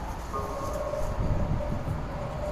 شیرینی به یې لا هم ورته راوړلې.